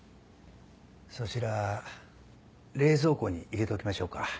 そちら冷蔵庫に入れておきましょうか？